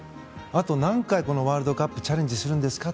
あと何回ワールドカップにチャレンジするんですか？